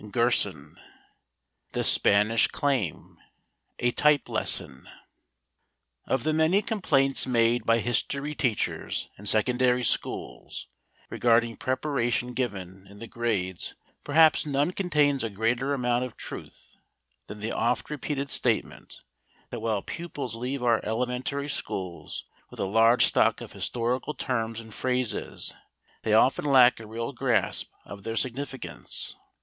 GERSON. THE SPANISH CLAIM. A Type Lesson. Of the many complaints made by history teachers in secondary schools regarding preparation given in the grades perhaps none contains a greater amount of truth than the oft repeated statement that while pupils leave our elementary schools with a large stock of historical terms and phrases they often lack a real grasp of their significance.